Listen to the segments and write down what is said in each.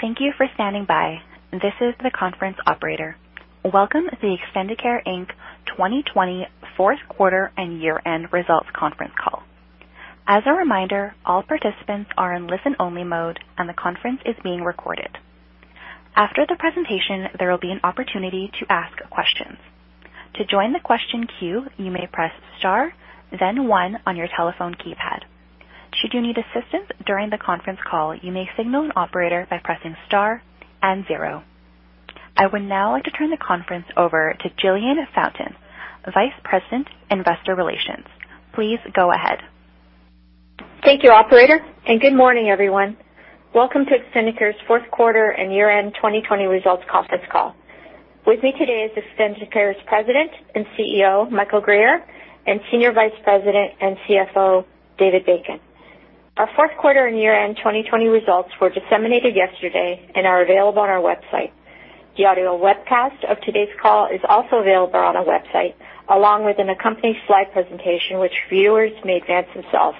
Thank you for standing by. This is the conference operator. Welcome to the Extendicare Inc. 2020 fourth quarter and year-end results conference call. As a reminder, all participants are in listen-only mode, and the conference is being recorded. After the presentation, there will be an opportunity to ask questions. To join the question queue, you may press star, then one on your telephone keypad. Should you need assistance during the conference call, you may signal an operator by pressing star and zero. I would now like to turn the conference over to Jillian Fountain, Vice President, Investor Relations. Please go ahead. Thank you, operator, and good morning, everyone. Welcome to Extendicare's fourth quarter and year-end 2020 results conference call. With me today is Extendicare's President and CEO, Michael Guerriere, and Senior Vice President and CFO, David Bacon. Our fourth quarter and year-end 2020 results were disseminated yesterday and are available on our website. The audio webcast of today's call is also available on our website, along with an accompanying slide presentation which viewers may advance themselves.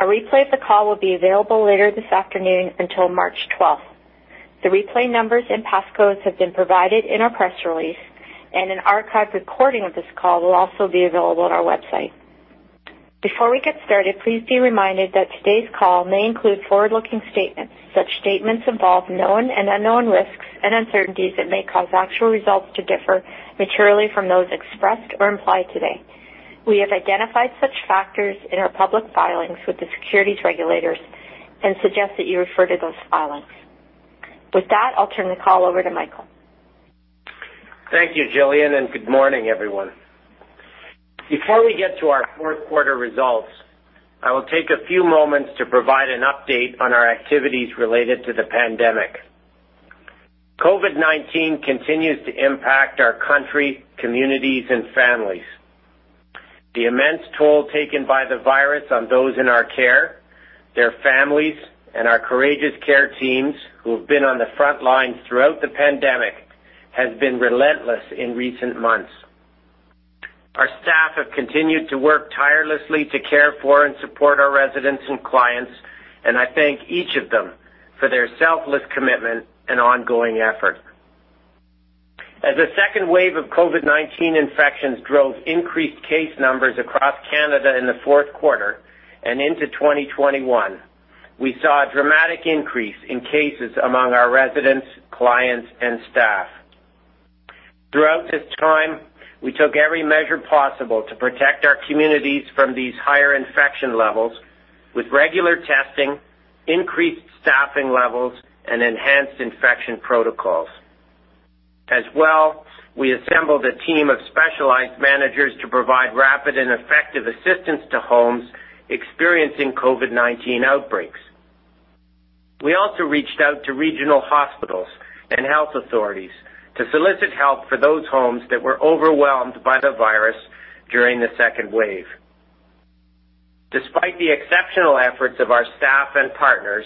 A replay of the call will be available later this afternoon until March 12th. The replay numbers and passcodes have been provided in our press release, and an archived recording of this call will also be available on our website. Before we get started, please be reminded that today's call may include forward-looking statements. Such statements involve known and unknown risks and uncertainties that may cause actual results to differ materially from those expressed or implied today. We have identified such factors in our public filings with the securities regulators and suggest that you refer to those filings. With that, I will turn the call over to Michael. Thank you, Jillian. Good morning, everyone. Before we get to our fourth quarter results, I will take a few moments to provide an update on our activities related to the pandemic. COVID-19 continues to impact our country, communities, and families. The immense toll taken by the virus on those in our care, their families, and our courageous care teams who have been on the front lines throughout the pandemic, has been relentless in recent months. Our staff have continued to work tirelessly to care for and support our residents and clients, and I thank each of them for their selfless commitment and ongoing effort. As a second wave of COVID-19 infections drove increased case numbers across Canada in the fourth quarter and into 2021, we saw a dramatic increase in cases among our residents, clients, and staff. Throughout this time, we took every measure possible to protect our communities from these higher infection levels with regular testing, increased staffing levels, and enhanced infection protocols. We assembled a team of specialized managers to provide rapid and effective assistance to homes experiencing COVID-19 outbreaks. We also reached out to regional hospitals and health authorities to solicit help for those homes that were overwhelmed by the virus during the second wave. Despite the exceptional efforts of our staff and partners,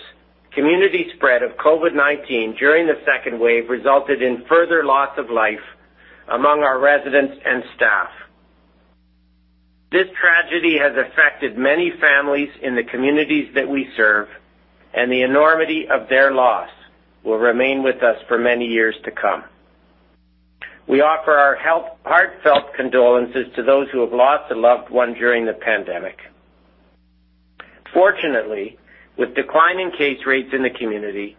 community spread of COVID-19 during the second wave resulted in further loss of life among our residents and staff. This tragedy has affected many families in the communities that we serve, and the enormity of their loss will remain with us for many years to come. We offer our heartfelt condolences to those who have lost a loved one during the pandemic. Fortunately, with declining case rates in the community,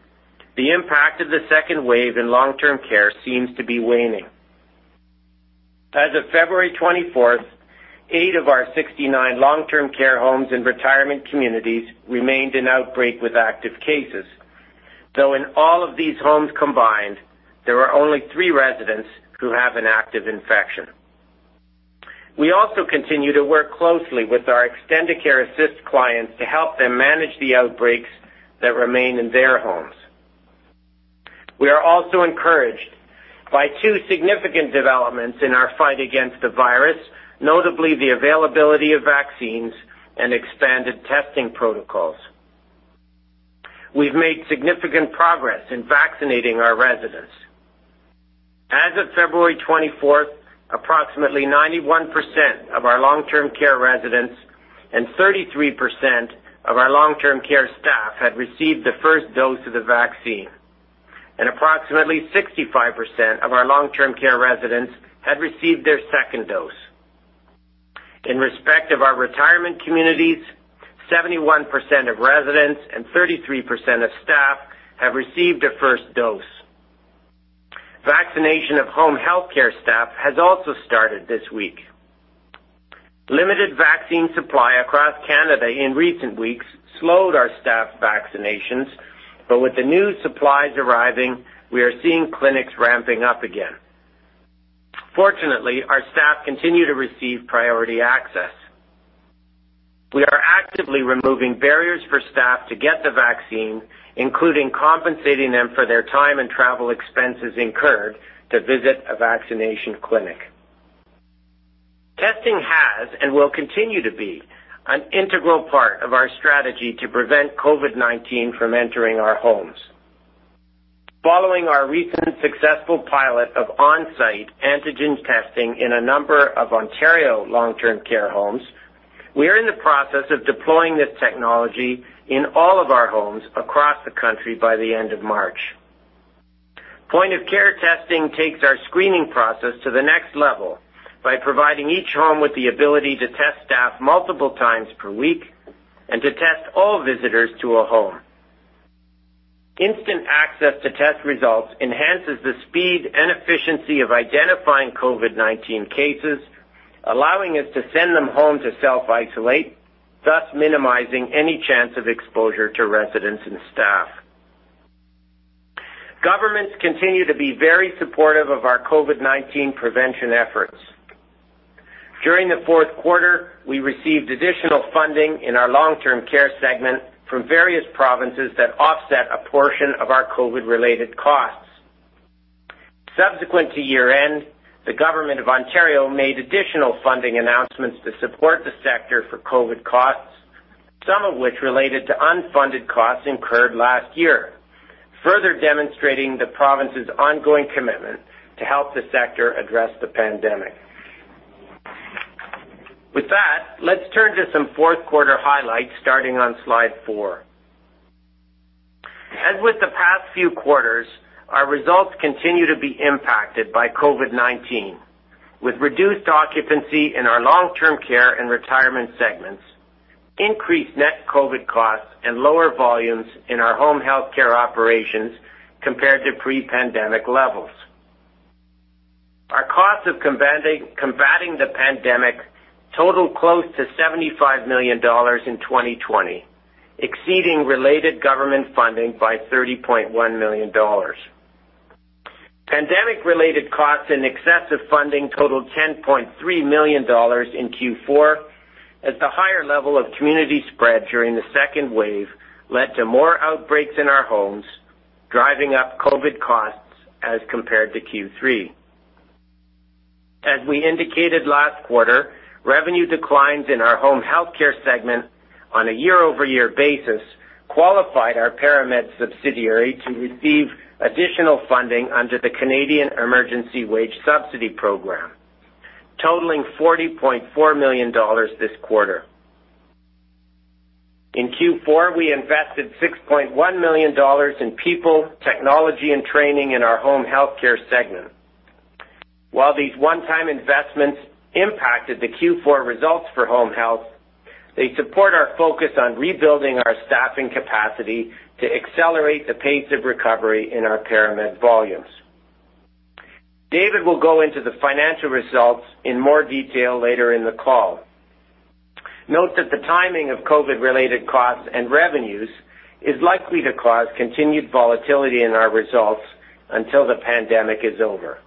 the impact of the second wave in long-term care seems to be waning. As of February 24th, eight of our 69 long-term care homes and retirement communities remained in outbreak with active cases. Though in all of these homes combined, there are only three residents who have an active infection. We also continue to work closely with our Extendicare Assist clients to help them manage the outbreaks that remain in their homes. We are also encouraged by two significant developments in our fight against the virus, notably the availability of vaccines and expanded testing protocols. We've made significant progress in vaccinating our residents. As of February 24th, approximately 91% of our long-term care residents and 33% of our long-term care staff had received the first dose of the vaccine, and approximately 65% of our long-term care residents had received their second dose. In respect of our retirement communities, 71% of residents and 33% of staff have received a first dose. Vaccination of home health care staff has also started this week. Limited vaccine supply across Canada in recent weeks slowed our staff vaccinations, but with the new supplies arriving, we are seeing clinics ramping up again. Fortunately, our staff continue to receive priority access. We are actively removing barriers for staff to get the vaccine, including compensating them for their time and travel expenses incurred to visit a vaccination clinic. Testing has and will continue to be an integral part of our strategy to prevent COVID-19 from entering our homes. Following our recent successful pilot of on-site antigen testing in a number of Ontario long-term care homes, we are in the process of deploying this technology in all of our homes across the country by the end of March. Point-of-care testing takes our screening process to the next level by providing each home with the ability to test staff multiple times per week and to test all visitors to a home. Instant access to test results enhances the speed and efficiency of identifying COVID-19 cases, allowing us to send them home to self-isolate, thus minimizing any chance of exposure to residents and staff. Governments continue to be very supportive of our COVID-19 prevention efforts. During the fourth quarter, we received additional funding in our long-term care segment from various provinces that offset a portion of our COVID-related costs. Subsequent to year-end, the government of Ontario made additional funding announcements to support the sector for COVID costs, some of which related to unfunded costs incurred last year, further demonstrating the province's ongoing commitment to help the sector address the pandemic. With that, let's turn to some fourth quarter highlights, starting on slide four. As with the past few quarters, our results continue to be impacted by COVID-19, with reduced occupancy in our long-term care and retirement segments, increased net COVID costs, and lower volumes in our home health care operations compared to pre-pandemic levels. Our cost of combating the pandemic totaled close to 75 million dollars in 2020, exceeding related government funding by 30.1 million dollars. Pandemic-related costs in excess of funding totaled 10.3 million dollars in Q4 as the higher level of community spread during the second wave led to more outbreaks in our homes, driving up COVID costs as compared to Q3. As we indicated last quarter, revenue declines in our home health care segment on a year-over-year basis qualified our ParaMed subsidiary to receive additional funding under the Canadian Emergency Wage Subsidy Program, totaling 40.4 million dollars this quarter. In Q4, we invested 6.1 million dollars in people, technology, and training in our home health care segment. While these one-time investments impacted the Q4 results for home health, they support our focus on rebuilding our staffing capacity to accelerate the pace of recovery in our ParaMed volumes. David will go into the financial results in more detail later in the call. Note that the timing of COVID-related costs and revenues is likely to cause continued volatility in our results until the pandemic is over.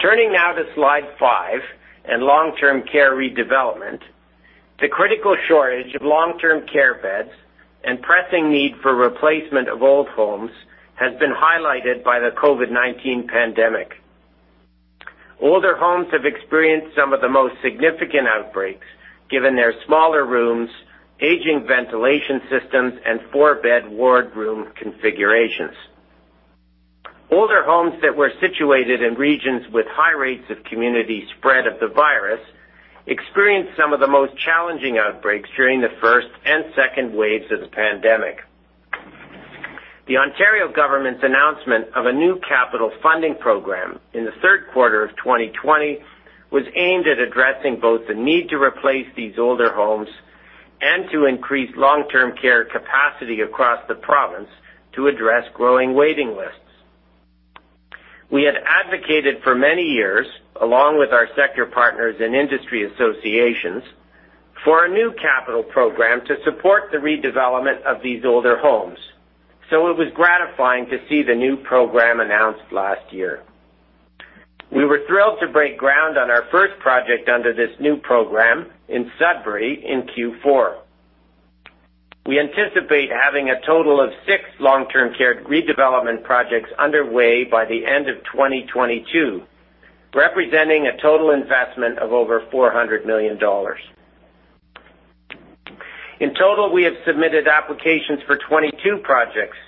Turning now to slide five and long-term care redevelopment. The critical shortage of long-term care beds and pressing need for replacement of old homes has been highlighted by the COVID-19 pandemic. Older homes have experienced some of the most significant outbreaks, given their smaller rooms, aging ventilation systems, and four-bed ward room configurations. Older homes that were situated in regions with high rates of community spread of the virus experienced some of the most challenging outbreaks during the first and second waves of the pandemic. The Ontario government's announcement of a new capital funding program in the third quarter of 2020 was aimed at addressing both the need to replace these older homes and to increase long-term care capacity across the province to address growing waiting lists. We had advocated for many years, along with our sector partners and industry associations, for a new capital program to support the redevelopment of these older homes, so it was gratifying to see the new program announced last year. We were thrilled to break ground on our first project under this new program in Sudbury in Q4. We anticipate having a total of six long-term care redevelopment projects underway by the end of 2022, representing a total investment of over 400 million dollars. In total, we have submitted applications for 22 projects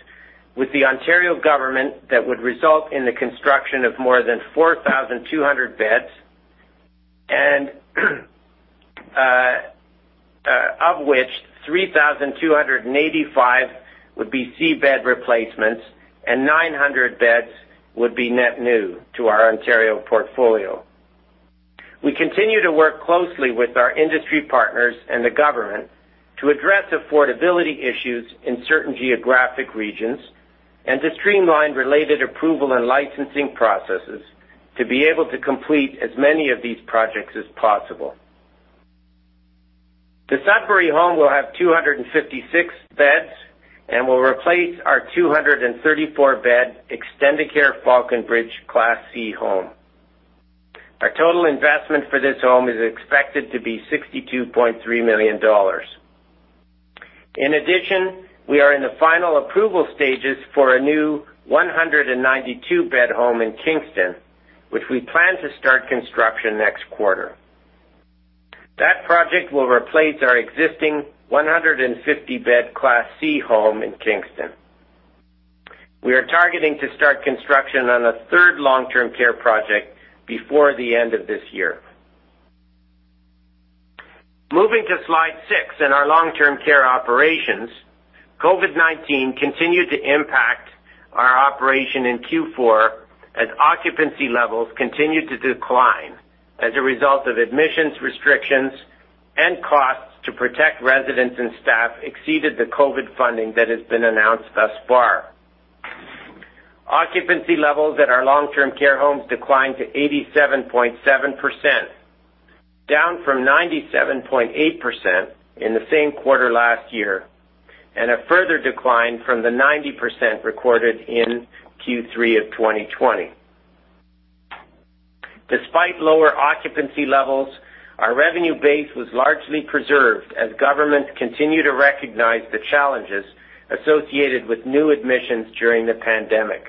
with the Ontario government that would result in the construction of more than 4,200 beds, of which 3,285 would be C bed replacements and 900 beds would be net new to our Ontario portfolio. We continue to work closely with our industry partners and the government to address affordability issues in certain geographic regions and to streamline related approval and licensing processes to be able to complete as many of these projects as possible. The Sudbury home will have 256 beds and will replace our 234-bed Extendicare Falconbridge Class C home. Our total investment for this home is expected to be 62.3 million dollars. In addition, we are in the final approval stages for a new 192-bed home in Kingston, which we plan to start construction next quarter. That project will replace our existing 150-bed Class C home in Kingston. We are targeting to start construction on a third long-term care project before the end of this year. Moving to Slide six and our long-term care operations, COVID-19 continued to impact our operation in Q4 as occupancy levels continued to decline as a result of admissions restrictions and costs to protect residents and staff exceeded the COVID funding that has been announced thus far. Occupancy levels at our long-term care homes declined to 87.7%, down from 97.8% in the same quarter last year, and a further decline from the 90% recorded in Q3 of 2020. Despite lower occupancy levels, our revenue base was largely preserved as governments continue to recognize the challenges associated with new admissions during the pandemic.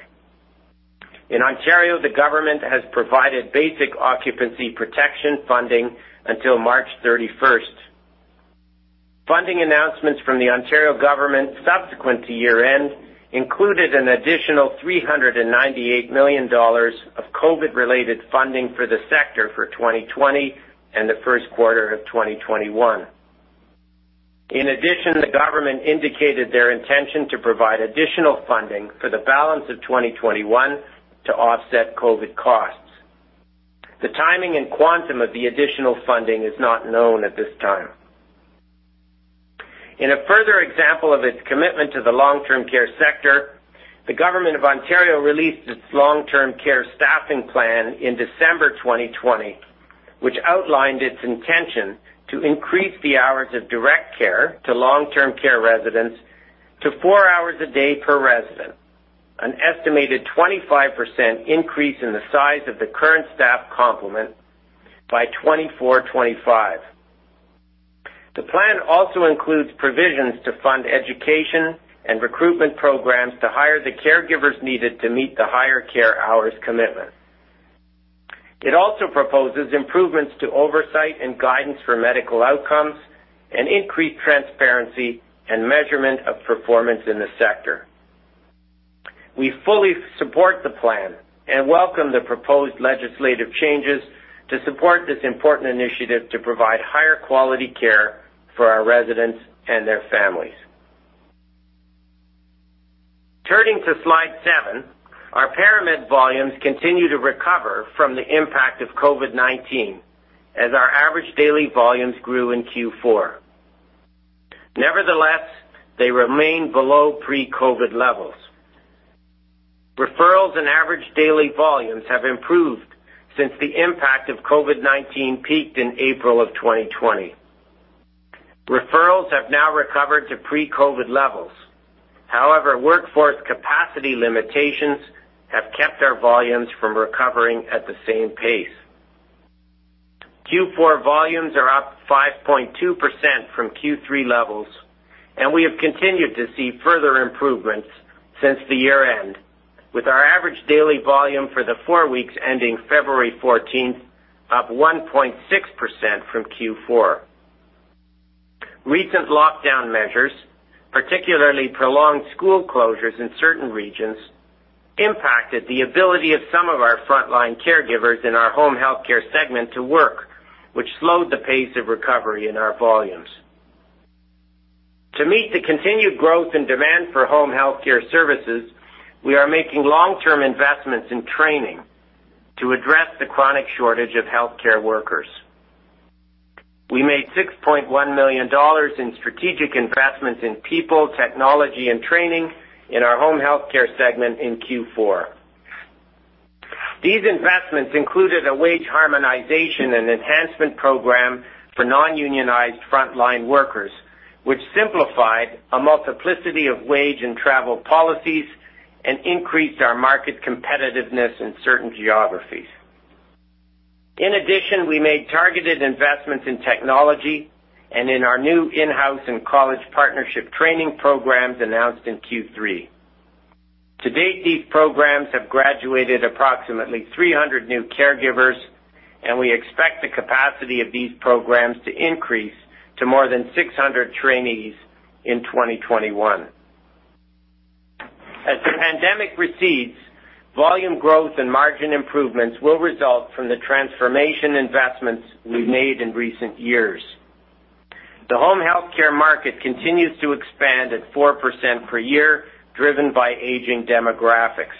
In Ontario, the government has provided basic occupancy protection funding until March 31st. Funding announcements from the Ontario government subsequent to year-end included an additional 398 million dollars of COVID-related funding for the sector for 2020 and the first quarter of 2021. In addition, the government indicated their intention to provide additional funding for the balance of 2021 to offset COVID costs. The timing and quantum of the additional funding is not known at this time. In a further example of its commitment to the long-term care sector, the government of Ontario released its Long-Term Care Staffing Plan in December 2020, which outlined its intention to increase the hours of direct care to long-term care residents to four hours a day per resident, an estimated 25% increase in the size of the current staff complement by 2024-2025. The plan also includes provisions to fund education and recruitment programs to hire the caregivers needed to meet the higher care hours commitment. It also proposes improvements to oversight and guidance for medical outcomes and increased transparency and measurement of performance in the sector. We fully support the plan and welcome the proposed legislative changes to support this important initiative to provide higher quality care for our residents and their families. Turning to Slide seven, our ParaMed volumes continue to recover from the impact of COVID-19, as our average daily volumes grew in Q4. Nevertheless, they remain below pre-COVID levels. Referrals and average daily volumes have improved since the impact of COVID-19 peaked in April of 2020. Referrals have now recovered to pre-COVID levels. However, workforce capacity limitations have kept our volumes from recovering at the same pace. Q4 volumes are up 5.2% from Q3 levels, and we have continued to see further improvements since the year-end, with our average daily volume for the four weeks ending February 14th, up 1.6% from Q4. Recent lockdown measures, particularly prolonged school closures in certain regions, impacted the ability of some of our frontline caregivers in our home health care segment to work, which slowed the pace of recovery in our volumes. To meet the continued growth and demand for home health care services, we are making long-term investments in training to address the chronic shortage of healthcare workers. We made 6.1 million dollars in strategic investments in people, technology, and training in our home health care segment in Q4. These investments included a wage harmonization and enhancement program for non-unionized frontline workers, which simplified a multiplicity of wage and travel policies and increased our market competitiveness in certain geographies. In addition, we made targeted investments in technology and in our new in-house and college partnership training programs announced in Q3. To date, these programs have graduated approximately 300 new caregivers, and we expect the capacity of these programs to increase to more than 600 trainees in 2021. As the pandemic recedes, volume growth and margin improvements will result from the transformation investments we've made in recent years. The home health care market continues to expand at 4% per year, driven by aging demographics.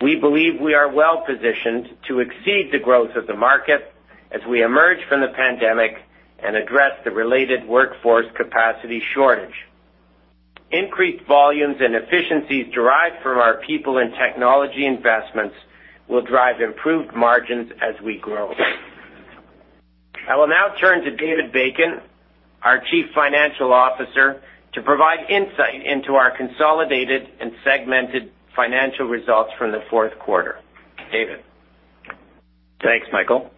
We believe we are well-positioned to exceed the growth of the market as we emerge from the pandemic and address the related workforce capacity shortage. Increased volumes and efficiencies derived from our people and technology investments will drive improved margins as we grow. I will now turn to David Bacon, our Chief Financial Officer, to provide insight into our consolidated and segmented financial results for the fourth quarter. David? Thanks, Michael.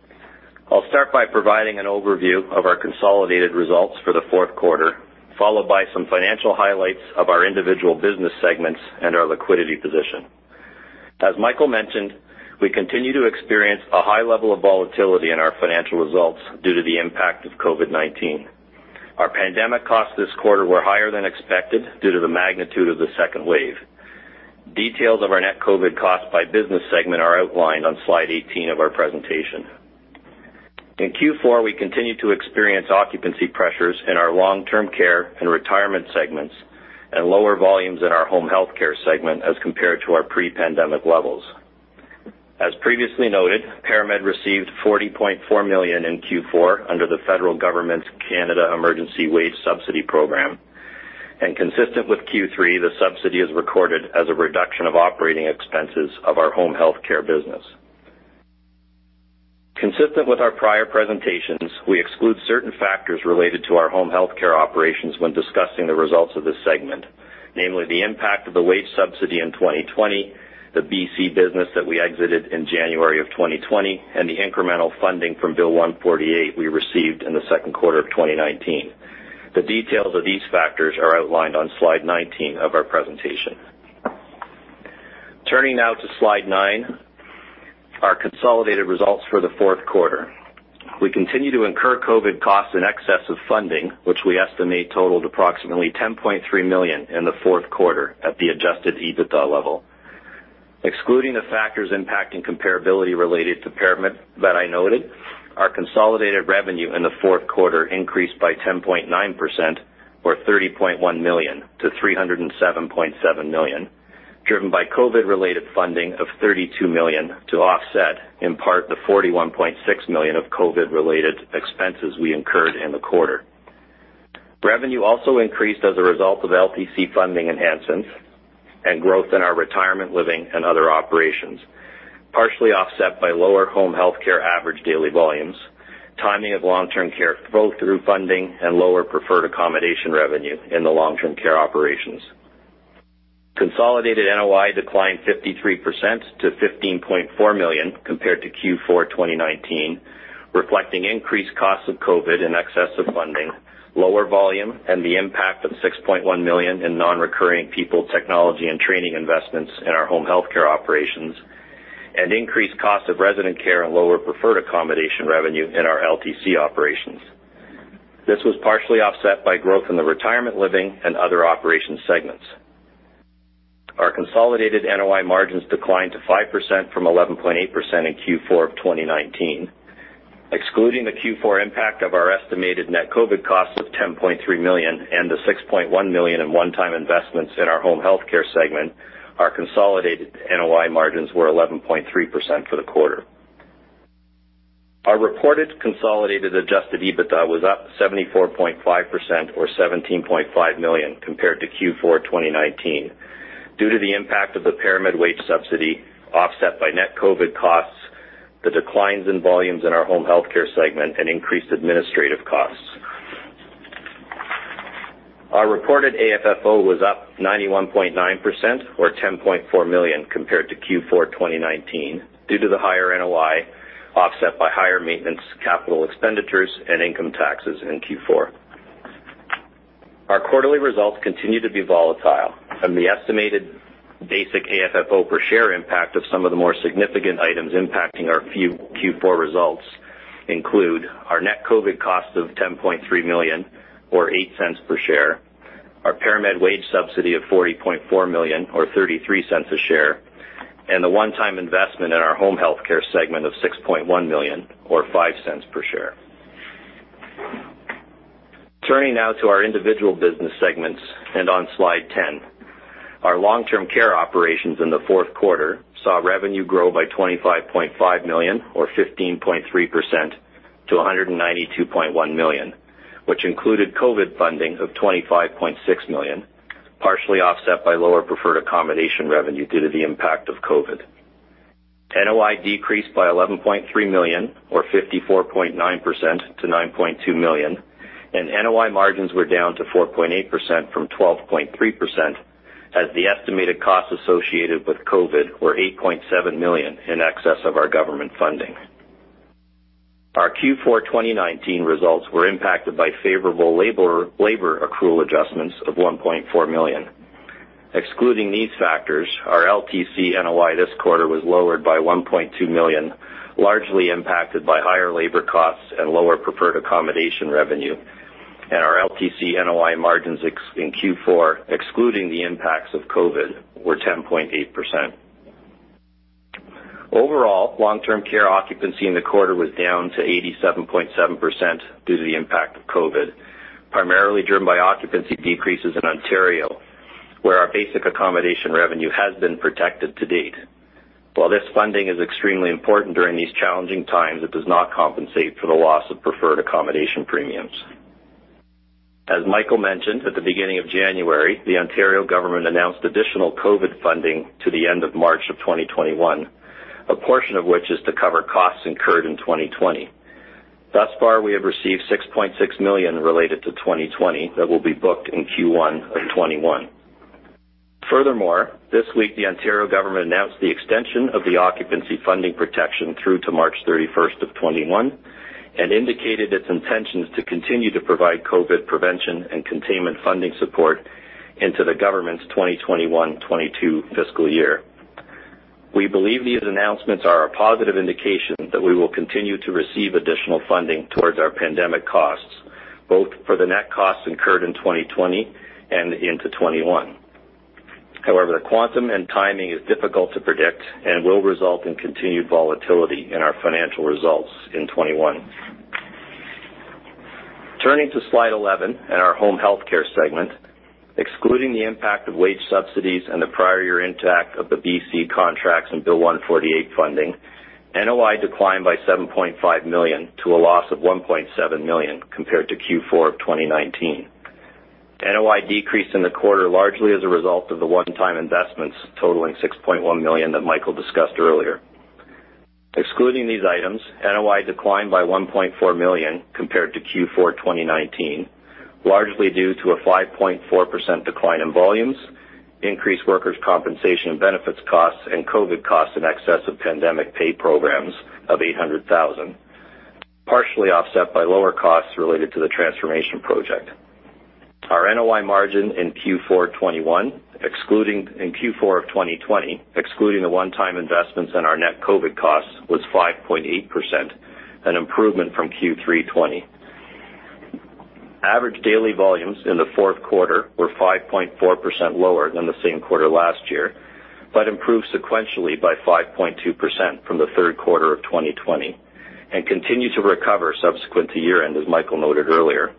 I'll start by providing an overview of our consolidated results for the fourth quarter, followed by some financial highlights of our individual business segments and our liquidity position. As Michael mentioned, we continue to experience a high level of volatility in our financial results due to the impact of COVID-19. Our pandemic costs this quarter were higher than expected due to the magnitude of the second wave. Details of our net COVID costs by business segment are outlined on slide 18 of our presentation. In Q4, we continued to experience occupancy pressures in our long-term care and retirement segments and lower volumes in our home health care segment as compared to our pre-pandemic levels. As previously noted, ParaMed received 40.4 million in Q4 under the federal government's Canada Emergency Wage Subsidy program, and consistent with Q3, the subsidy is recorded as a reduction of operating expenses of our home health care business. Consistent with our prior presentations, we exclude certain factors related to our home health care operations when discussing the results of this segment, namely the impact of the wage subsidy in 2020, the B.C. business that we exited in January of 2020, and the incremental funding from Bill 148 we received in the second quarter of 2019. The details of these factors are outlined on slide 19 of our presentation. Turning now to slide nine, our consolidated results for the fourth quarter. We continue to incur COVID costs in excess of funding, which we estimate totaled approximately 10.3 million in the fourth quarter at the adjusted EBITDA level. Excluding the factors impacting comparability related to ParaMed that I noted, our consolidated revenue in the fourth quarter increased by 10.9% or 30.1 million-307.7 million, driven by COVID-related funding of 32 million to offset in part the 41.6 million of COVID-related expenses we incurred in the quarter. Revenue also increased as a result of LTC funding enhancements and growth in our retirement living and other operations, partially offset by lower home health care average daily volumes, timing of long-term care flow-through funding, and lower preferred accommodation revenue in the long-term care operations. Consolidated NOI declined 53% to 15.4 million compared to Q4 2019, reflecting increased costs of COVID in excess of funding, lower volume, and the impact of 6.1 million in non-recurring people, technology and training investments in our home health care operations, and increased cost of resident care and lower preferred accommodation revenue in our LTC operations. This was partially offset by growth in the retirement living and other operation segments. Our consolidated NOI margins declined to 5% from 11.8% in Q4 of 2019. Excluding the Q4 impact of our estimated net COVID cost of 10.3 million and the 6.1 million in one-time investments in our home health care segment, our consolidated NOI margins were 11.3% for the quarter. Our reported consolidated adjusted EBITDA was up 74.5%, or 17.5 million compared to Q4 2019 due to the impact of the ParaMed wage subsidy offset by net COVID costs, the declines in volumes in our home health care segment, and increased administrative costs. Our reported AFFO was up 91.9%, or 10.4 million compared to Q4 2019 due to the higher NOI offset by higher maintenance, capital expenditures, and income taxes in Q4. Our quarterly results continue to be volatile. The estimated basic AFFO per share impact of some of the more significant items impacting our Q4 results include our net COVID cost of 10.3 million, or 0.08 per share, our ParaMed wage subsidy of 40.4 million or 0.33 a share, and the one-time investment in our home health care segment of 6.1 million or 0.05 per share. Turning now to our individual business segments, on slide 10. Our long-term care operations in the fourth quarter saw revenue grow by 25.5 million or 15.3% to 192.1 million, which included COVID funding of 25.6 million, partially offset by lower preferred accommodation revenue due to the impact of COVID. NOI decreased by 11.3 million or 54.9% to 9.2 million, and NOI margins were down to 4.8% from 12.3% as the estimated costs associated with COVID were 8.7 million in excess of our government funding. Our Q4 2019 results were impacted by favorable labor accrual adjustments of 1.4 million. Excluding these factors, our LTC NOI this quarter was lowered by 1.2 million, largely impacted by higher labor costs and lower preferred accommodation revenue, and our LTC NOI margins in Q4, excluding the impacts of COVID, were 10.8%. Overall, long-term care occupancy in the quarter was down to 87.7% due to the impact of COVID, primarily driven by occupancy decreases in Ontario, where our basic accommodation revenue has been protected to date. While this funding is extremely important during these challenging times, it does not compensate for the loss of preferred accommodation premiums. As Michael mentioned, at the beginning of January, the Ontario government announced additional COVID funding to the end of March of 2021, a portion of which is to cover costs incurred in 2020. Thus far, we have received 6.6 million related to 2020 that will be booked in Q1 of 2021. Furthermore, this week the Ontario government announced the extension of the occupancy funding protection through to March 31st of 2021. It indicated its intentions to continue to provide COVID prevention and containment funding support into the government's 2021-2022 fiscal year. We believe these announcements are a positive indication that we will continue to receive additional funding towards our pandemic costs, both for the net costs incurred in 2020 and into 2021. However, the quantum and timing is difficult to predict and will result in continued volatility in our financial results in 2021. Turning to slide 11 and our home health care segment, excluding the impact of wage subsidies and the prior year intact of the BC contracts and Bill 148 funding, NOI declined by 7.5 million to a loss of 1.7 million compared to Q4 of 2019. NOI decreased in the quarter largely as a result of the one-time investments totaling 6.1 million that Michael discussed earlier. Excluding these items, NOI declined by 1.4 million compared to Q4 2019, largely due to a 5.4% decline in volumes, increased workers' compensation and benefits costs, and COVID costs in excess of pandemic pay programs of 800,000, partially offset by lower costs related to the transformation project. Our NOI margin in Q4 of 2020, excluding the one-time investments in our net COVID costs, was 5.8%, an improvement from Q3 2020. Average daily volumes in the fourth quarter were 5.4% lower than the same quarter last year, but improved sequentially by 5.2% from the third quarter of 2020, and continue to recover subsequent to year-end, as Michael noted earlier.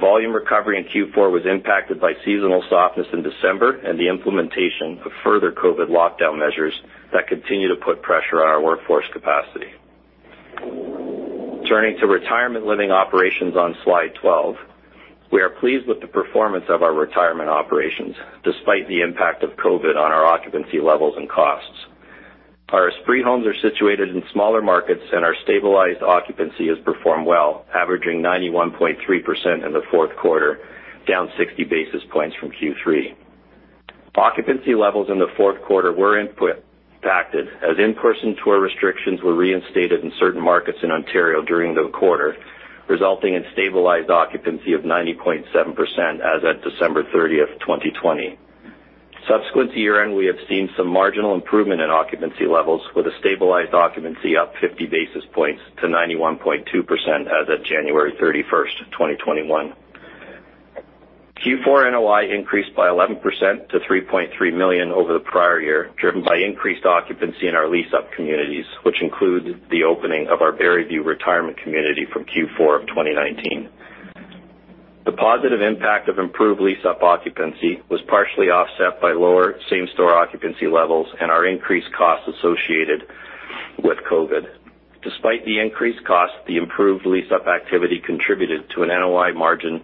Volume recovery in Q4 was impacted by seasonal softness in December and the implementation of further COVID lockdown measures that continue to put pressure on our workforce capacity. Turning to retirement living operations on slide 12. We are pleased with the performance of our retirement operations, despite the impact of COVID on our occupancy levels and costs. Our Esprit homes are situated in smaller markets, and our stabilized occupancy has performed well, averaging 91.3% in the fourth quarter, down 60 basis points from Q3. Occupancy levels in the fourth quarter were impacted as in-person tour restrictions were reinstated in certain markets in Ontario during the quarter, resulting in stabilized occupancy of 90.7% as at December 30th, 2020. Subsequent to year-end, we have seen some marginal improvement in occupancy levels with a stabilized occupancy up 50 basis points to 91.2% as of January 31st, 2021. Q4 NOI increased by 11% to 3.3 million over the prior year, driven by increased occupancy in our lease-up communities, which include the opening of our Barrie View retirement community from Q4 of 2019. The positive impact of improved lease-up occupancy was partially offset by lower same-store occupancy levels and our increased costs associated with COVID. Despite the increased cost, the improved lease-up activity contributed to an NOI margin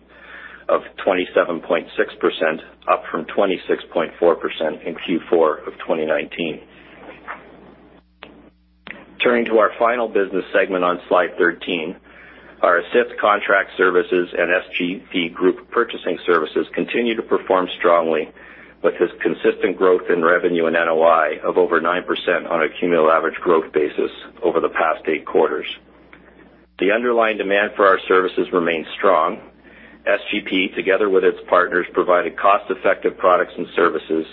of 27.6%, up from 26.4% in Q4 of 2019. Turning to our final business segment on slide 13. Our Assist contract services and SGP group purchasing services continue to perform strongly with this consistent growth in revenue and NOI of over 9% on a cumulative average growth basis over the past eight quarters. The underlying demand for our services remains strong. SGP, together with its partners, provided cost-effective products and services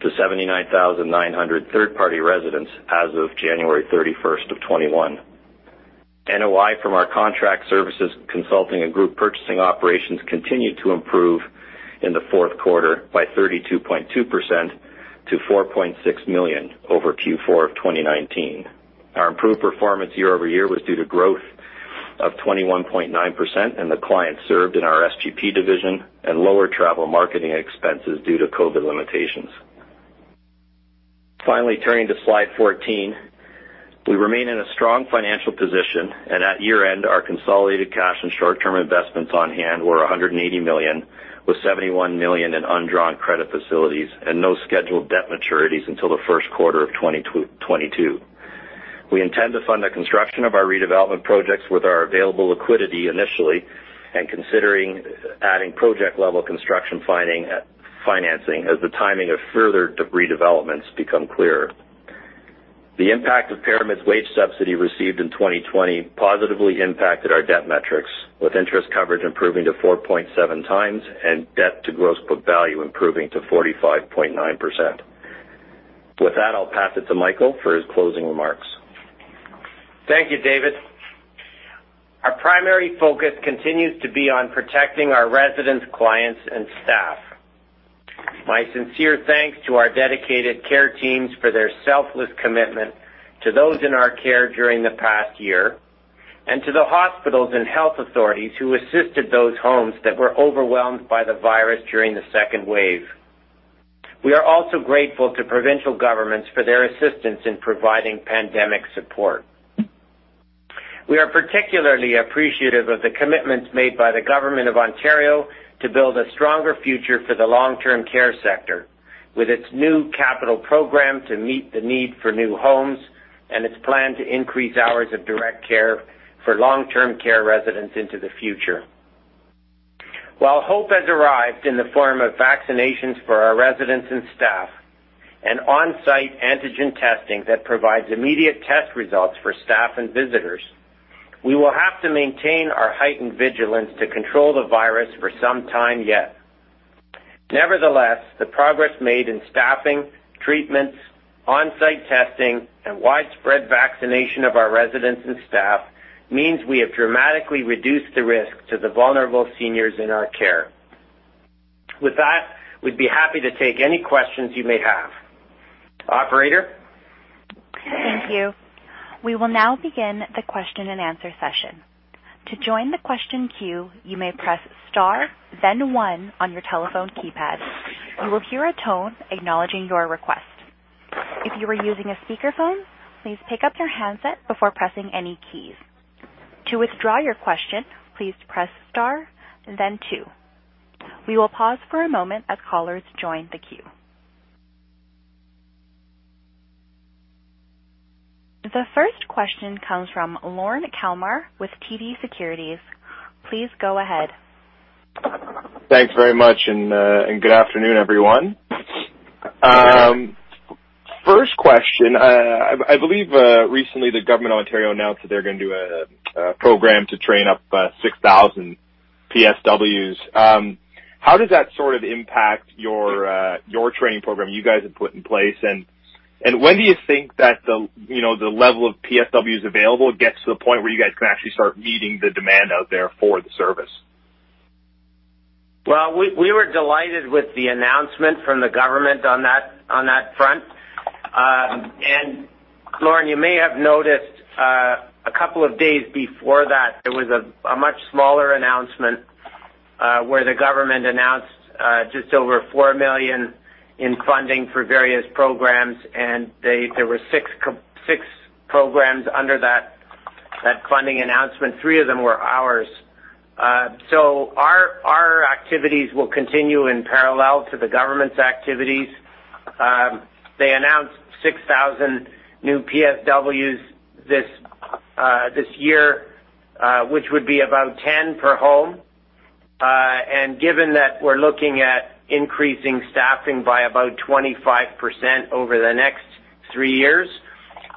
to 79,900 third-party residents as of January 31st of 2021. NOI from our contract services, consulting, and group purchasing operations continued to improve in the fourth quarter by 32.2% to 4.6 million over Q4 of 2019. Our improved performance year over year was due to growth of 21.9% in the clients served in our SGP division and lower travel marketing expenses due to COVID-19 limitations. Turning to slide 14. We remain in a strong financial position, and at year-end, our consolidated cash and short-term investments on hand were 180 million, with 71 million in undrawn credit facilities and no scheduled debt maturities until the first quarter of 2022. We intend to fund the construction of our redevelopment projects with our available liquidity initially, and considering adding project-level construction financing as the timing of further redevelopments become clearer. The impact of ParaMed's wage subsidy received in 2020 positively impacted our debt metrics, with interest coverage improving to 4.7x and debt to gross book value improving to 45.9%. With that, I'll pass it to Michael Guerriere for his closing remarks. Thank you, David. Our primary focus continues to be on protecting our residents, clients, and staff. My sincere thanks to our dedicated care teams for their selfless commitment to those in our care during the past year, and to the hospitals and health authorities who assisted those homes that were overwhelmed by the virus during the second wave. We are also grateful to provincial governments for their assistance in providing pandemic support. We are particularly appreciative of the commitments made by the government of Ontario to build a stronger future for the long-term care sector with its new capital program to meet the need for new homes and its plan to increase hours of direct care for long-term care residents into the future. While hope has arrived in the form of vaccinations for our residents and staff, and on-site antigen testing that provides immediate test results for staff and visitors, we will have to maintain our heightened vigilance to control the virus for some time yet. Nevertheless, the progress made in staffing, treatments, on-site testing, and widespread vaccination of our residents and staff means we have dramatically reduced the risk to the vulnerable seniors in our care. With that, we'd be happy to take any questions you may have. Operator? Thank you. We will now begin the question and answer session. To join the question queue, you may press star then one on your telephone keypad. You would hear a tone acknowledging your request. If you are using a speaker phone, please take up your handset before pressing any key. To withdraw your question, please press star then two. We will pause for a moment as callers join the queue. The first question comes from Lorne Kalmar with TD Securities. Please go ahead. Thanks very much, good afternoon, everyone. First question. I believe recently the government of Ontario announced that they're going to do a program to train up 6,000 PSWs. How does that sort of impact your training program you guys have put in place, and when do you think that the level of PSWs available gets to the point where you guys can actually start meeting the demand out there for the service? Well, we were delighted with the announcement from the government on that front. Lorne, you may have noticed, a couple of days before that, there was a much smaller announcement, where the government announced just over 4 million in funding for various programs, and there were six programs under that funding announcement. Three of them were ours. Our activities will continue in parallel to the government's activities. They announced 6,000 new PSWs this year, which would be about 10 per home. And given that we're looking at increasing staffing by about 25% over the next three years,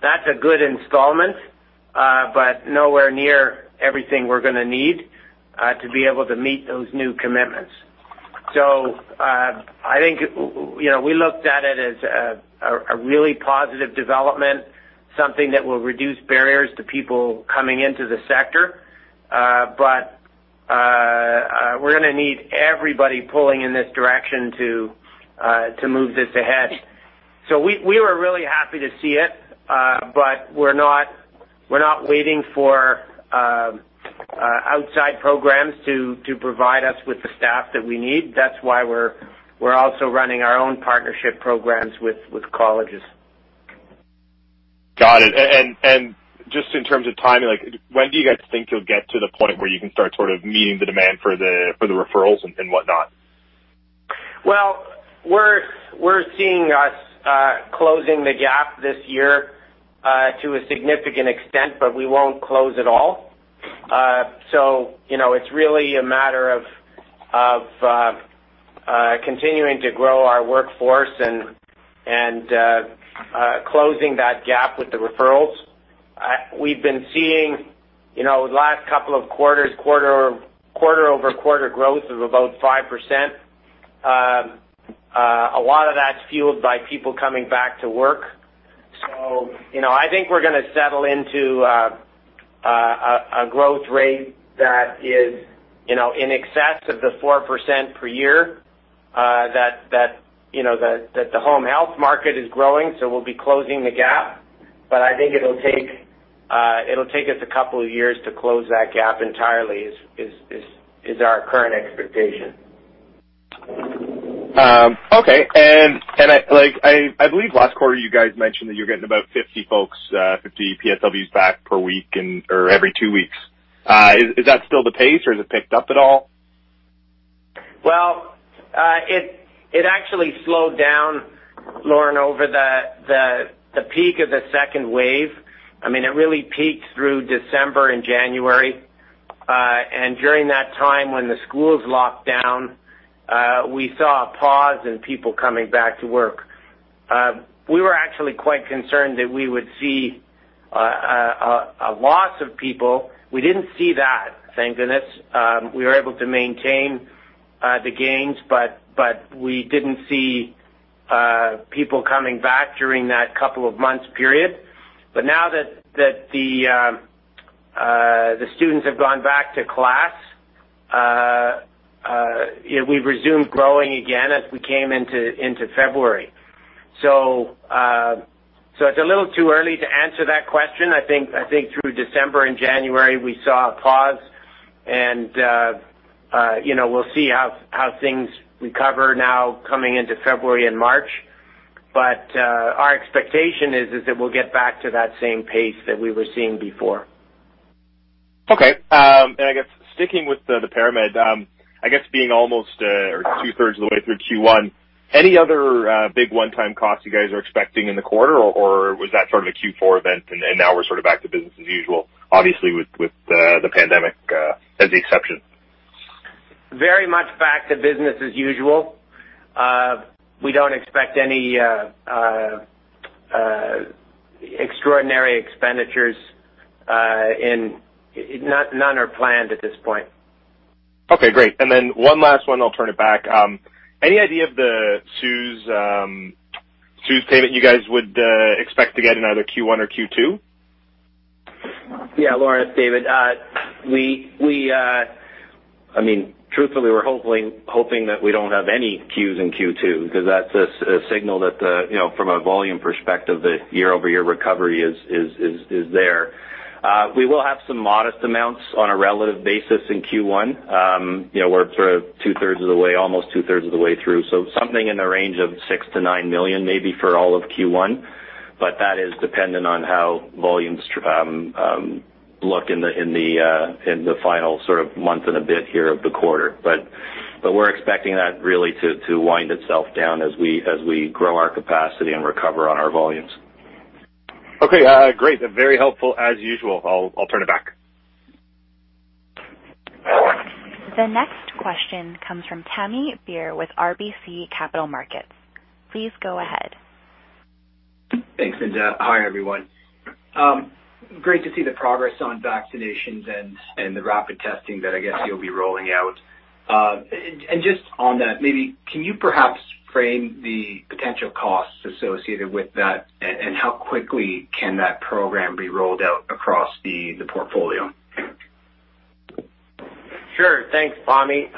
that's a good installment, but nowhere near everything we're going to need to be able to meet those new commitments. I think we looked at it as a really positive development, something that will reduce barriers to people coming into the sector. We're going to need everybody pulling in this direction to move this ahead. We were really happy to see it, but we're not waiting for outside programs to provide us with the staff that we need. That's why we're also running our own partnership programs with colleges. Got it. Just in terms of timing, when do you guys think you'll get to the point where you can start sort of meeting the demand for the referrals and whatnot? We're seeing us closing the gap this year to a significant extent, but we won't close it all. It's really a matter of continuing to grow our workforce and closing that gap with the referrals. We've been seeing, the last couple of quarters, quarter-over-quarter growth of about 5%. A lot of that's fueled by people coming back to work. I think we're going to settle into a growth rate that is in excess of the 4% per year that the home health market is growing, so we'll be closing the gap. I think it'll take us a couple of years to close that gap entirely, is our current expectation. Okay. I believe last quarter you guys mentioned that you're getting about 50 folks, 50 PSWs back per week or every two weeks. Is that still the pace or has it picked up at all? Well, it actually slowed down, Lorne, over the peak of the second wave. It really peaked through December and January. During that time when the schools locked down, we saw a pause in people coming back to work. We were actually quite concerned that we would see a loss of people. We didn't see that, thank goodness. We were able to maintain the gains, we didn't see people coming back during that couple of months period. Now that the students have gone back to class, we've resumed growing again as we came into February. It's a little too early to answer that question. I think through December and January, we saw a pause and we'll see how things recover now coming into February and March. Our expectation is that we'll get back to that same pace that we were seeing before. Okay. I guess sticking with the ParaMed, I guess being almost two-thirds of the way through Q1. Any other big one-time costs you guys are expecting in the quarter, or was that sort of a Q4 event and now we're sort of back to business as usual, obviously with the pandemic as the exception? Very much back to business as usual. We don't expect any extraordinary expenditures. None are planned at this point. Okay, great. Then one last one, I'll turn it back. Any idea of the CEWS payment you guys would expect to get in either Q1 or Q2? Yeah, Lorne, it's David. Truthfully, we're hoping that we don't have any CEWS in Q2, because that's a signal that from a volume perspective, the year-over-year recovery is there. We will have some modest amounts on a relative basis in Q1. We're almost 2/3 of the way through. Something in the range of 6 million-9 million maybe for all of Q1, but that is dependent on how volumes look in the final sort of month and a bit here of the quarter. We're expecting that really to wind itself down as we grow our capacity and recover on our volumes. Okay, great. Very helpful as usual. I'll turn it back. The next question comes from "Tommy" with RBC Capital Markets. Please go ahead. Thanks, Linda. Hi, everyone. Great to see the progress on vaccinations and the rapid testing that I guess you'll be rolling out. Just on that, maybe can you perhaps frame the potential costs associated with that, and how quickly can that program be rolled out across the portfolio? Sure. Thanks, Tommy.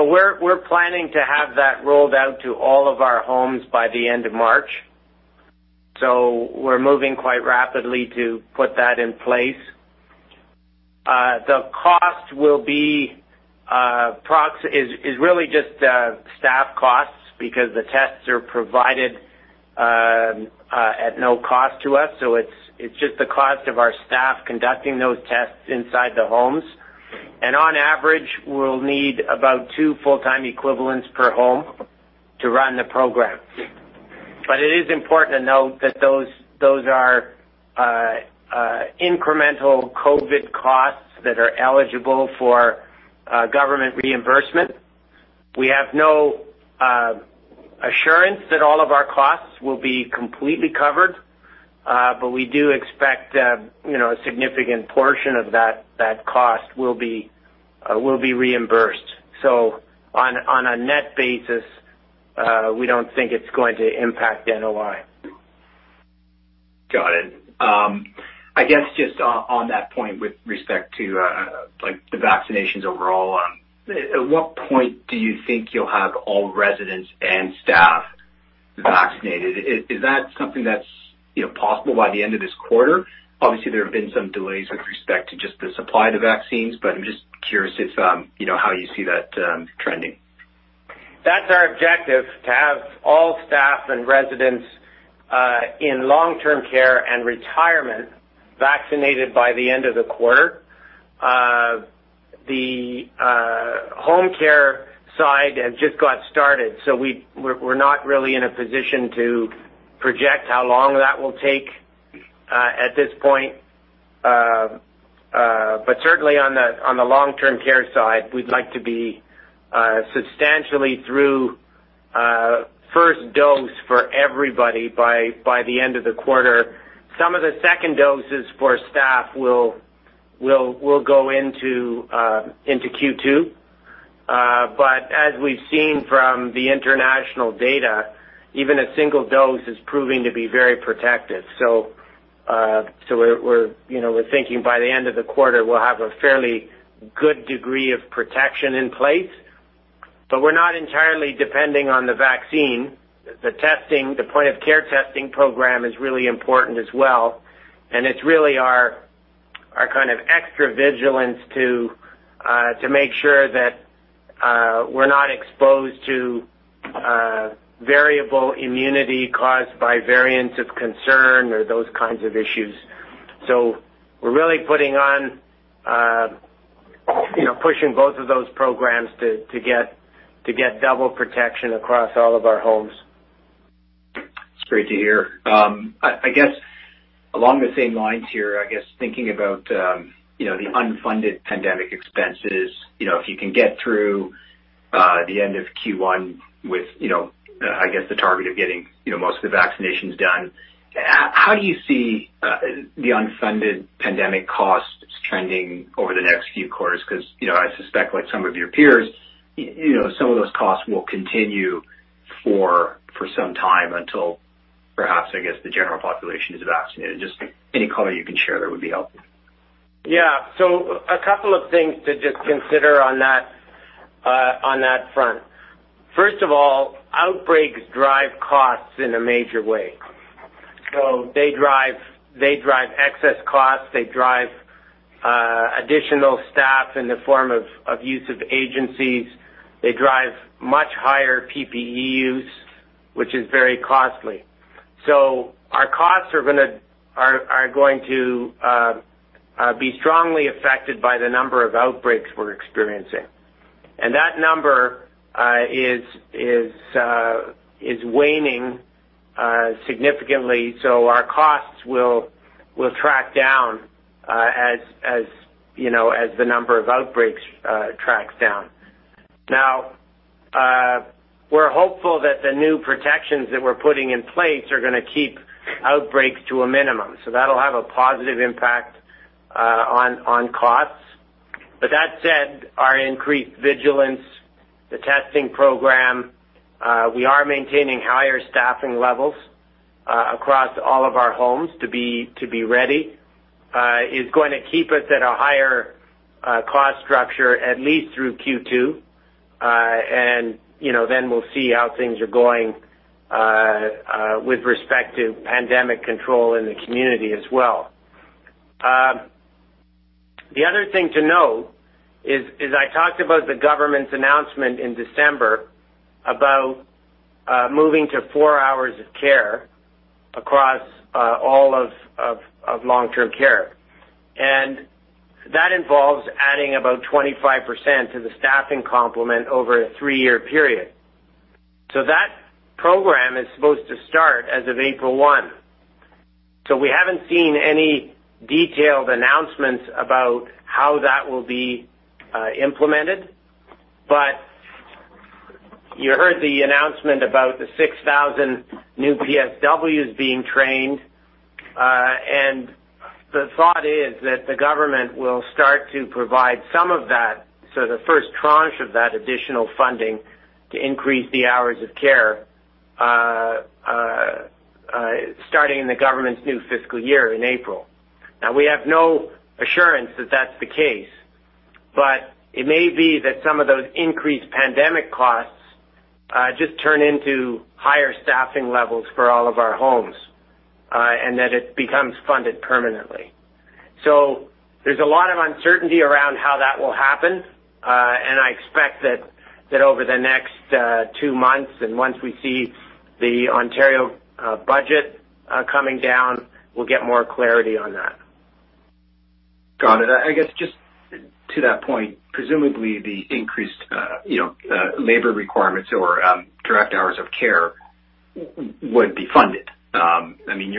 We're planning to have that rolled out to all of our homes by the end of March. We're moving quite rapidly to put that in place. The cost is really just staff costs because the tests are provided at no cost to us. It's just the cost of our staff conducting those tests inside the homes. On average, we'll need about two full-time equivalents per home to run the program. It is important to note that those are incremental COVID costs that are eligible for government reimbursement. We have no assurance that all of our costs will be completely covered, but we do expect a significant portion of that cost will be reimbursed. On a net basis, we don't think it's going to impact NOI. Got it. I guess just on that point with respect to the vaccinations overall, at what point do you think you will have all residents and staff vaccinated? Is that something that is possible by the end of this quarter? Obviously, there have been some delays with respect to just the supply of the vaccines, but I am just curious how you see that trending. That's our objective, to have all staff and residents in long-term care and retirement vaccinated by the end of the quarter. The home care side has just got started, so we're not really in a position to project how long that will take at this point. Certainly on the long-term care side, we'd like to be substantially through first dose for everybody by the end of the quarter. Some of the second doses for staff will go into Q2. As we've seen from the international data, even a single dose is proving to be very protective. We're thinking by the end of the quarter, we'll have a fairly good degree of protection in place. We're not entirely depending on the vaccine. The point of care testing program is really important as well, and it's really our kind of extra vigilance to make sure that we're not exposed to variable immunity caused by variants of concern or those kinds of issues. We're really pushing both of those programs to get double protection across all of our homes. That's great to hear. I guess along the same lines here, I guess thinking about the unfunded pandemic expenses, if you can get through the end of Q1 with, I guess, the target of getting most of the vaccinations done, how do you see the unfunded pandemic costs trending over the next few quarters? Because I suspect like some of your peers, some of those costs will continue for some time until perhaps, I guess, the general population is vaccinated. Just any color you can share there would be helpful. A couple of things to just consider on that front. First of all, outbreaks drive costs in a major way. They drive excess costs. They drive additional staff in the form of use of agencies. They drive much higher PPE use, which is very costly. Our costs are going to be strongly affected by the number of outbreaks we're experiencing. That number is waning significantly, so our costs will track down as the number of outbreaks tracks down. Now, we're hopeful that the new protections that we're putting in place are going to keep outbreaks to a minimum. That'll have a positive impact on costs. That said, our increased vigilance, the testing program, we are maintaining higher staffing levels across all of our homes to be ready, is going to keep us at a higher cost structure at least through Q2. We'll see how things are going with respect to pandemic control in the community as well. The other thing to note is, I talked about the government's announcement in December about moving to four hours of care across all of long-term care. That involves adding about 25% to the staffing complement over a three-year period. That program is supposed to start as of April 1. We haven't seen any detailed announcements about how that will be implemented. You heard the announcement about the 6,000 new PSWs being trained. The thought is that the government will start to provide some of that, so the first tranche of that additional funding to increase the hours of care, starting in the government's new fiscal year in April. We have no assurance that that's the case, but it may be that some of those increased pandemic costs just turn into higher staffing levels for all of our homes, and that it becomes funded permanently. There's a lot of uncertainty around how that will happen. I expect that over the next two months, and once we see the Ontario budget coming down, we'll get more clarity on that. Got it. I guess just to that point, presumably the increased labor requirements or direct hours of care would be funded. You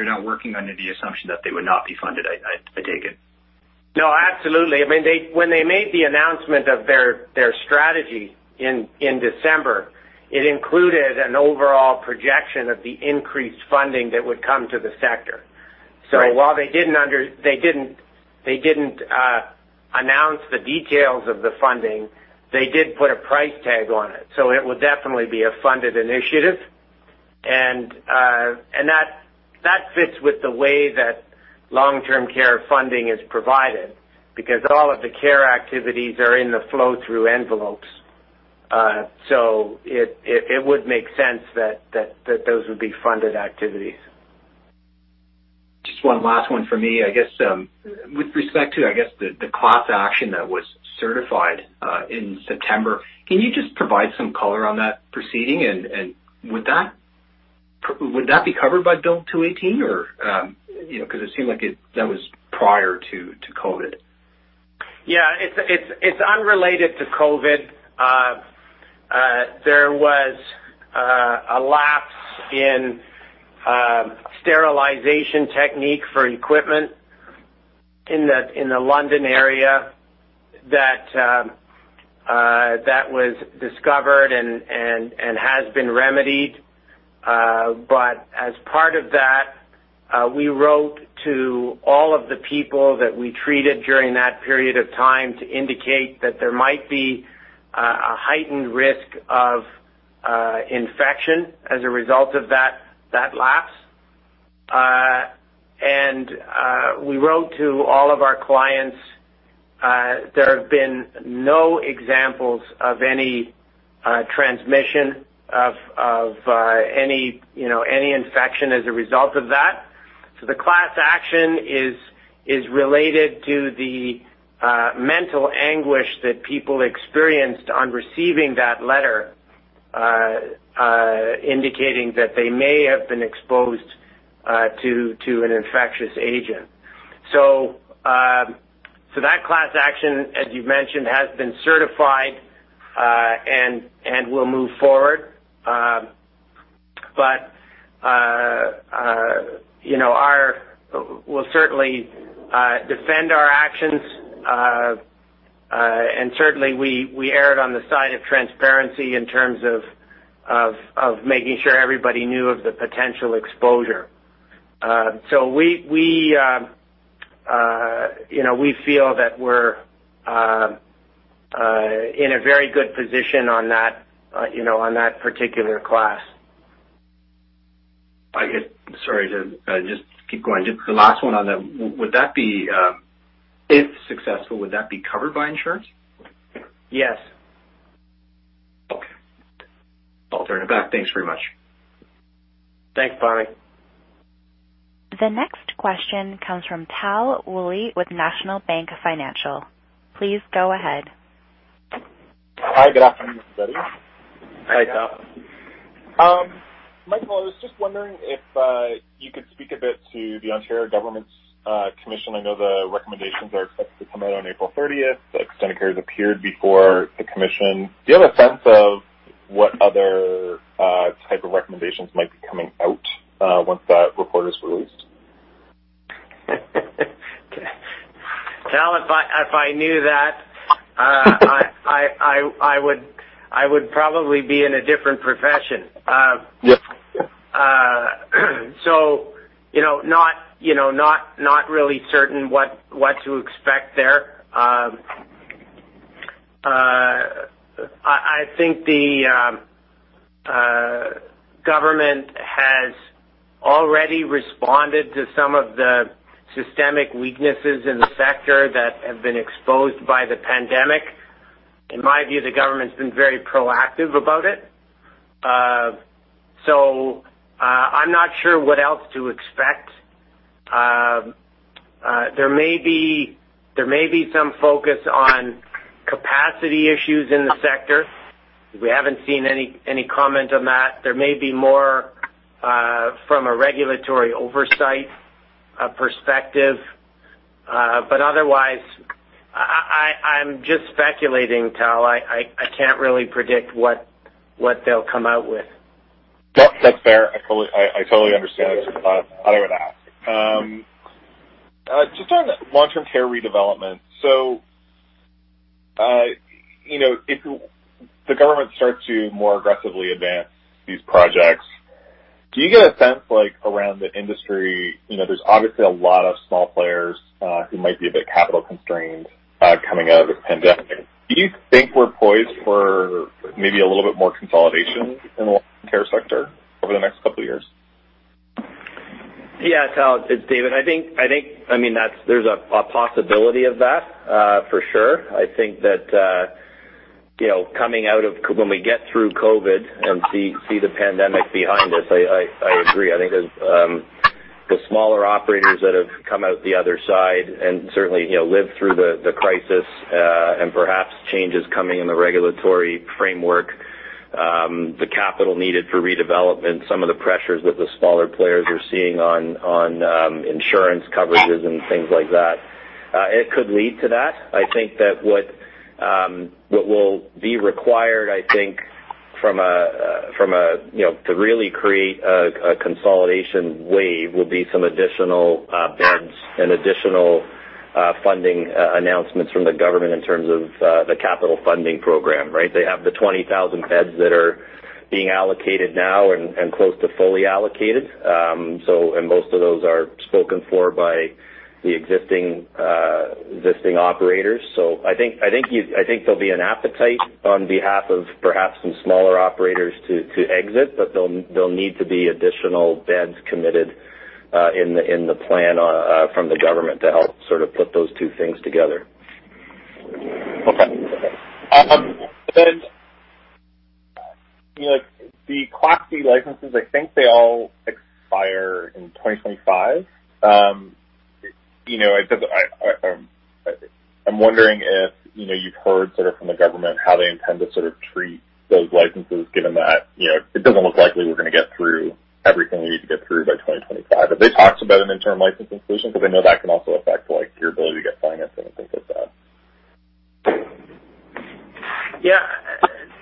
are not working under the assumption that they would not be funded, I take it? No, absolutely. When they made the announcement of their strategy in December, it included an overall projection of the increased funding that would come to the sector. Right. While they didn't announce the details of the funding, they did put a price tag on it. It would definitely be a funded initiative. That fits with the way that long-term care funding is provided, because all of the care activities are in the flow-through envelopes. It would make sense that those would be funded activities. Just one last one for me, I guess. With respect to the class action that was certified in September, can you just provide some color on that proceeding? Would that be covered by Bill 218? Because it seemed like that was prior to COVID-19. Yeah. It's unrelated to COVID. There was a lapse in sterilization technique for equipment in the London area that was discovered and has been remedied. As part of that, we wrote to all of the people that we treated during that period of time to indicate that there might be a heightened risk of infection as a result of that lapse. We wrote to all of our clients. There have been no examples of any transmission of any infection as a result of that. The class action is related to the mental anguish that people experienced on receiving that letter indicating that they may have been exposed to an infectious agent. That class action, as you've mentioned, has been certified and will move forward. We'll certainly defend our actions, and certainly, we erred on the side of transparency in terms of making sure everybody knew of the potential exposure. We feel that we're in a very good position on that particular class. Sorry to just keep going. Just the last one on that. If successful, would that be covered by insurance? Yes. Okay. I'll turn it back. Thanks very much. Thanks, Barry. The next question comes from Tal Woolley with National Bank Financial. Please go ahead. Hi. Good afternoon, everybody. Hi, Tal. Michael, I was just wondering if you could speak a bit to the Ontario government's commission. I know the recommendations are expected to come out on April 30th. Extendicare has appeared before the commission. Do you have a sense of what other type of recommendations might be coming out once that report is released? Tal, if I knew that, I would probably be in a different profession. Yep. Not really certain what to expect there. I think the government has already responded to some of the systemic weaknesses in the sector that have been exposed by the pandemic. In my view, the government's been very proactive about it. I'm not sure what else to expect. There may be some focus on capacity issues in the sector. We haven't seen any comment on that. There may be more from a regulatory oversight perspective. Otherwise, I'm just speculating, Tal. I can't really predict what they'll come out with. That's fair. I totally understand. I thought I would ask. If the government starts to more aggressively advance these projects, do you get a sense around the industry, there's obviously a lot of small players who might be a bit capital constrained coming out of the pandemic. Do you think we're poised for maybe a little bit more consolidation in the long-term care sector over the next couple of years? Yeah, Tal, it's David. There's a possibility of that, for sure. I think that, when we get through COVID and see the pandemic behind us, I agree. I think the smaller operators that have come out the other side and certainly lived through the crisis, and perhaps changes coming in the regulatory framework, the capital needed for redevelopment, some of the pressures that the smaller players are seeing on insurance coverages and things like that, it could lead to that. I think that what will be required to really create a consolidation wave will be some additional beds and additional funding announcements from the government in terms of the capital funding program, right? They have the 20,000 beds that are being allocated now and close to fully allocated. Most of those are spoken for by the existing operators. I think there'll be an appetite on behalf of perhaps some smaller operators to exit, but there'll need to be additional beds committed in the plan from the government to help sort of put those two things together. Okay. The C bed licenses, I think they all expire in 2025. I'm wondering if you've heard sort of from the government how they intend to sort of treat those licenses, given that it doesn't look likely we're going to get through everything we need to get through by 2025. Have they talked about an interim licensing solution? I know that can also affect your ability to get financing and things like that. Yeah.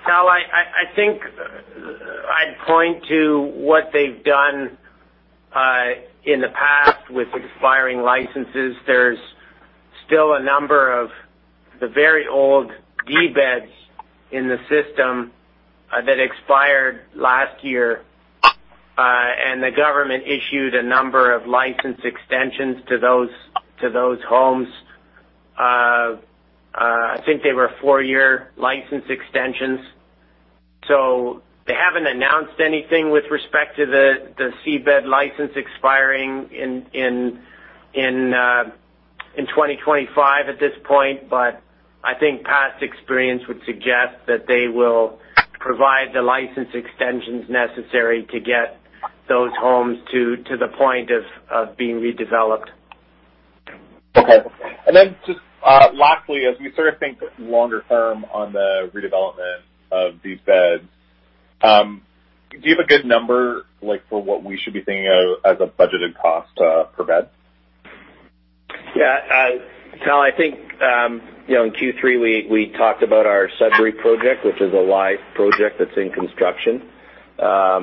Tal, I think I'd point to what they've done in the past with expiring licenses. There's still a number of the very old D beds in the system that expired last year, and the government issued a number of license extensions to those homes. I think they were four-year license extensions. They haven't announced anything with respect to the C bed license expiring in 2025 at this point. I think past experience would suggest that they will provide the license extensions necessary to get those homes to the point of being redeveloped. Okay. Then just lastly, as we sort of think longer term on the redevelopment of these beds, do you have a good number for what we should be thinking of as a budgeted cost per bed? Tal, I think in Q3 we talked about our Sudbury project, which is a live project that's in construction. That's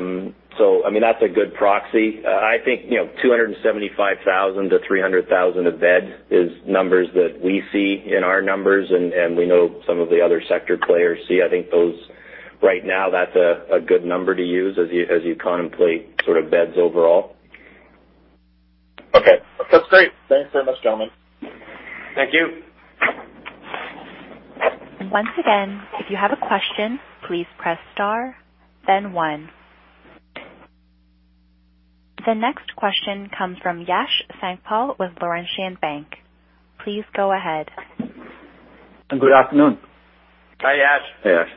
a good proxy. I think 275,000-300,000 a bed is numbers that we see in our numbers and we know some of the other sector players see. I think right now that's a good number to use as you contemplate sort of beds overall. Okay. That's great. Thanks very much, gentlemen. Thank you. Once again, if you have a question, please press star then one. The next question comes from Yash Sankpal with Laurentian Bank. Please go ahead. Good afternoon. Hi, Yash. Hey, Yash.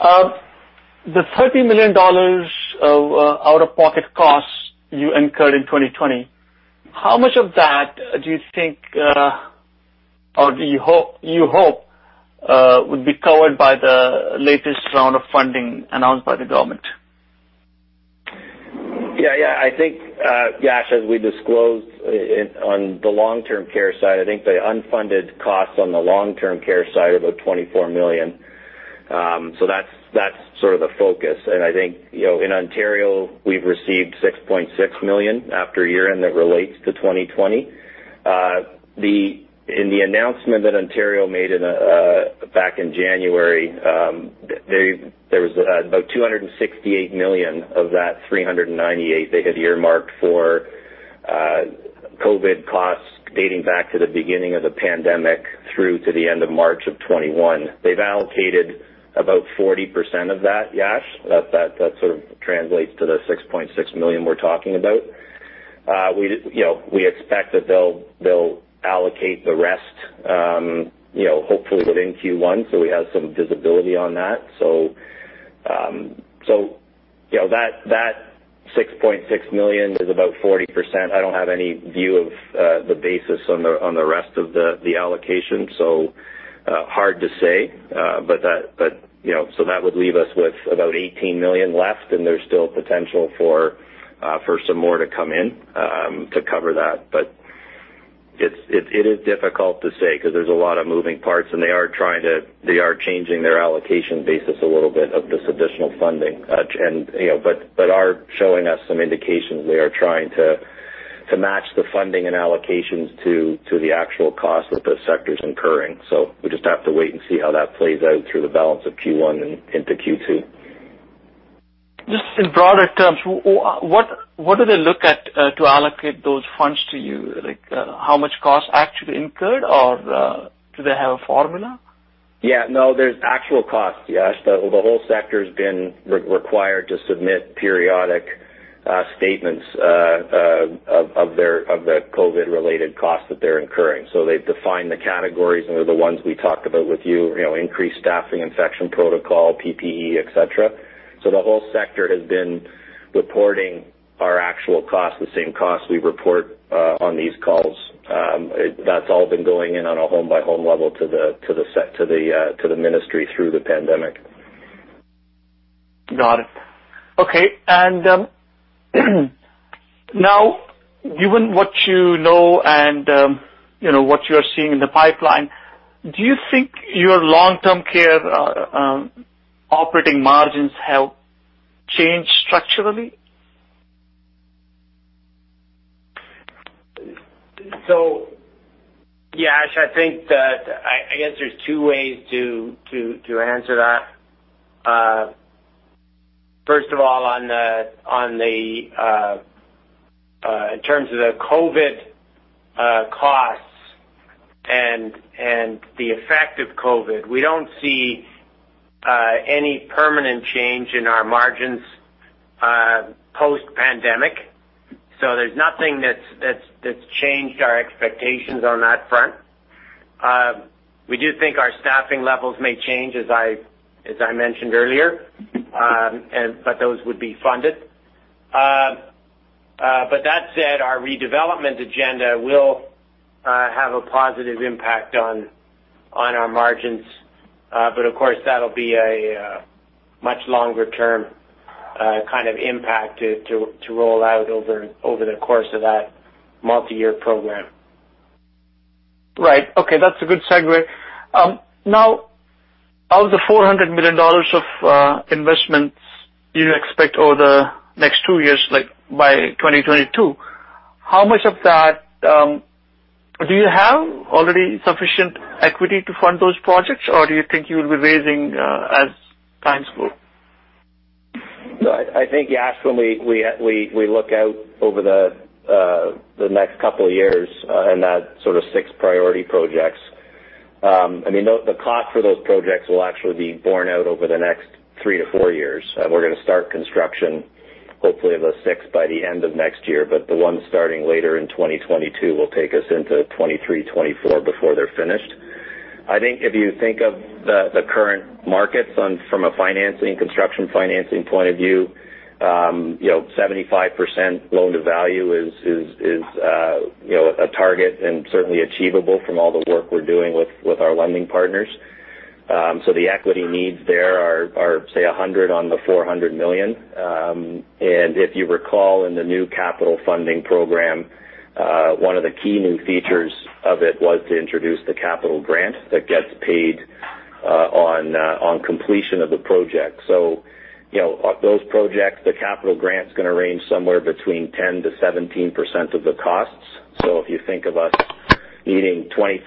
The 30 million dollars of out-of-pocket costs you incurred in 2020, how much of that do you think, or do you hope, would be covered by the latest round of funding announced by the government? I think, Yash, as we disclosed on the long-term care side, I think the unfunded costs on the long-term care side are about 24 million. That's sort of the focus. I think, in Ontario, we've received 6.6 million after a year, and that relates to 2020. In the announcement that Ontario made back in January, there was about 268 million of that 398 million they had earmarked for COVID costs dating back to the beginning of the pandemic through to the end of March of 2021. They've allocated about 40% of that, Yash. That sort of translates to the 6.6 million we're talking about. We expect that they'll allocate the rest hopefully within Q1, we have some visibility on that. That 6.6 million is about 40%. I don't have any view of the basis on the rest of the allocation, hard to say. That would leave us with about 18 million left, and there's still potential for some more to come in to cover that. It is difficult to say because there's a lot of moving parts, and they are changing their allocation basis a little bit of this additional funding. They are showing us some indications they are trying to match the funding and allocations to the actual costs that the sector's incurring. We just have to wait and see how that plays out through the balance of Q1 and into Q2. Just in broader terms, what do they look at to allocate those funds to you? Like, how much cost actually incurred, or do they have a formula? There's actual costs, Yash. The whole sector's been required to submit periodic statements of the COVID-related costs that they're incurring. They've defined the categories, and they're the ones we talked about with you, increased staffing, infection protocol, PPE, et cetera. The whole sector has been reporting our actual costs, the same costs we report on these calls. That's all been going in on a home-by-home level to the ministry through the pandemic. Got it. Okay. Now, given what you know and what you are seeing in the pipeline, do you think your long-term care operating margins have changed structurally? Yash, I guess there's two ways to answer that. First of all, in terms of the COVID costs and the effect of COVID, we don't see any permanent change in our margins post-pandemic. There's nothing that's changed our expectations on that front. We do think our staffing levels may change, as I mentioned earlier, but those would be funded. That said, our redevelopment agenda will have a positive impact on our margins. Of course, that'll be a much longer-term kind of impact to roll out over the course of that multiyear program. Right. Okay, that's a good segue. Now, of the 400 million dollars of investments you expect over the next two years, like, by 2022, do you have already sufficient equity to fund those projects, or do you think you'll be raising as times go? No, I think, Yash, when we look out over the next couple of years on that sort of six priority projects, the cost for those projects will actually be borne out over the next three to four years. We're going to start construction, hopefully, of the six by the end of next year. The ones starting later in 2022 will take us into 2023, 2024 before they're finished. I think if you think of the current markets from a financing, construction financing point of view, 75% loan-to-value is a target and certainly achievable from all the work we're doing with our lending partners. The equity needs there are, say, 100 on the 400 million. If you recall, in the new capital funding program, one of the key new features of it was to introduce the capital grant that gets paid on completion of the project. On those projects, the capital grant's going to range somewhere between 10%-17% of the costs. If you think of us needing 25%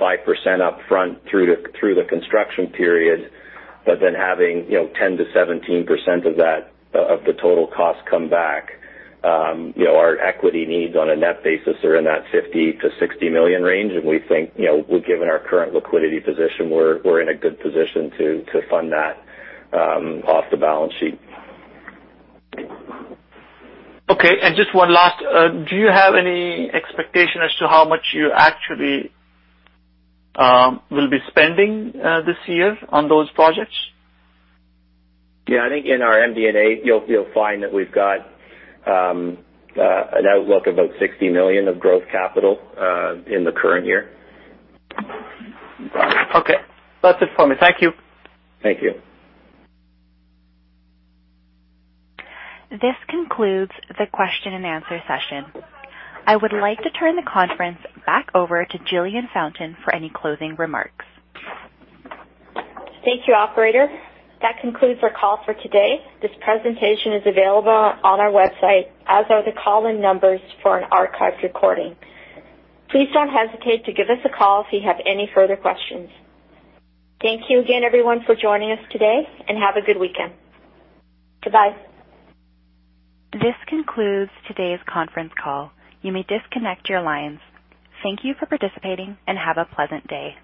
upfront through the construction period, but then having 10%-17% of the total cost come back, our equity needs on a net basis are in that 50 million-60 million range. We think, given our current liquidity position, we're in a good position to fund that off the balance sheet. Okay. Just one last. Do you have any expectation as to how much you actually will be spending this year on those projects? I think in our MD&A, you'll find that we've got an outlook of about 60 million of growth capital in the current year. Okay. That's it for me. Thank you. Thank you. This concludes the question and answer session. I would like to turn the conference back over to Jillian Fountain for any closing remarks. Thank you, operator. That concludes our call for today. This presentation is available on our website, as are the call-in numbers for an archived recording. Please don't hesitate to give us a call if you have any further questions. Thank you again, everyone, for joining us today, and have a good weekend. Goodbye. This concludes today's conference call. You may disconnect your lines. Thank you for participating, and have a pleasant day.